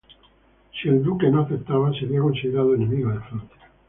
Si el duque no aceptaba, sería considerado enemigo de Francia.